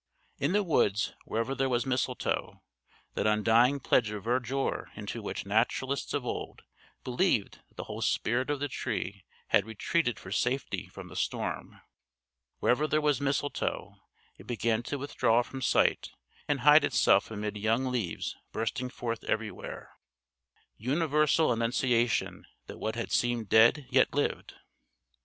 In the woods wherever there was mistletoe that undying pledge of verdure into which naturalists of old believed that the whole spirit of the tree had retreated for safety from the storm wherever there was mistletoe, it began to withdraw from sight and hide itself amid young leaves bursting forth everywhere universal annunciation that what had seemed dead yet lived.